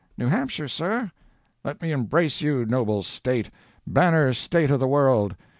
"'New Hampshire, sir.' "'Let me embrace you, noble State—banner State of the world.